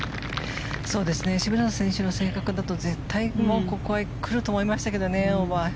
渋野選手の性格だと絶対にここは来ると思いましたけどねオーバー。